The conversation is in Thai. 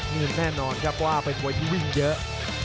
นี่แน่นอนครับว่าเป็นมวยที่วิ่งเยอะ